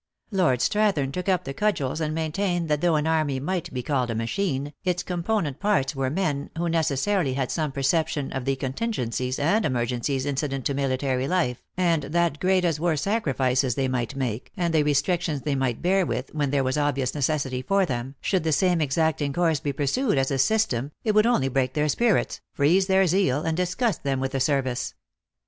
Lord Strath ern took up the cudgels and maintained that though an army might be called a machine, its component parts were men, who necessarily had some perception of the contingencies and emergencies inci dent to military life, and that great as were sacrifices they might make, and the restrictions they might bear with when there was obvious necessity for them, should the same exacting course be pursued as a system, it would only break their spirits, freeze their zeal, and disgust them with the service.